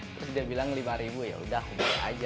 terus dia bilang rp lima ya udah aku beli aja